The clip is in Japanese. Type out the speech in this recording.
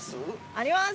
あります！